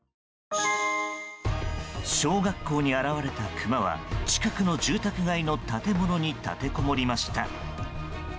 小学校に現れたクマは近くの住宅街の建物に立てこもりました。